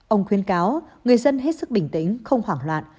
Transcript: ông khuyên cáo người dân hết sức bình tĩnh không hoảng loạn